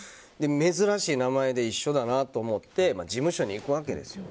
珍しい名前で一緒だなと思って事務所に行くわけですよ。